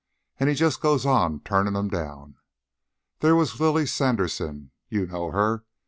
An' he just goes on turnin' 'em down. There was Lily Sanderson you know her.